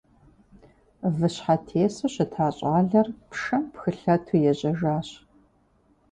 Выщхьэтесу щыта щӀалэр пшэм пхылъэту ежьэжащ.